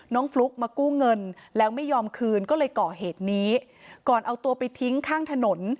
ฟลุ๊กมากู้เงินแล้วไม่ยอมคืนก็เลยก่อเหตุนี้ก่อนเอาตัวไปทิ้งข้างถนน